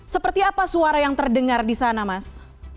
seperti apa suara yang terdengar di sana mas